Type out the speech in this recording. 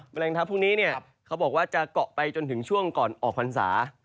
แมลงทัพเดี๋ยวจะเกาะไปจนถึงช่วงก่อนออกคาตรา